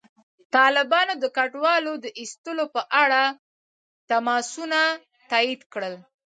طالبانو د کډوالو د ایستلو په اړه تماسونه تایید کړل.